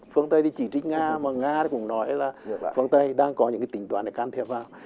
phương tây đi chỉ trích nga mà nga cũng nói là phương tây đang có những tỉnh toán để can thiệp vào